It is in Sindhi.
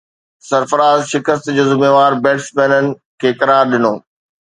سرفراز شڪست جو ذميوار بيٽسمينن کي قرار ڏنو